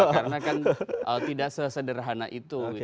karena kan tidak sesederhana itu